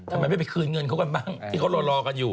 ทำไมไม่ไปคืนเงินเขากันบ้างที่เขารอกันอยู่